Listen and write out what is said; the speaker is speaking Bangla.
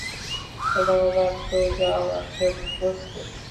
রবার্তো যাওয়ার জন্য প্রস্তুত।